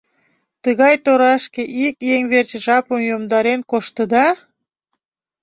Тыгай торашке ик еҥ верч жапым йомдарен коштыда?!